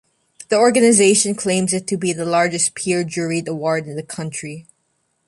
The organization claims it to be the largest peer-juried award in the country.